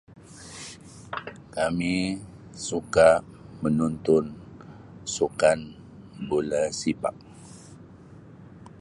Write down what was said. Kami suka menonton sukan bola sepak.